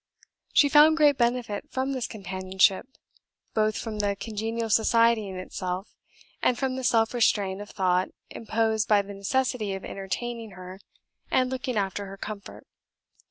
She found great benefit from this companionship, both from the congenial society in itself, and from the self restraint of thought imposed by the necessity of entertaining her and looking after her comfort.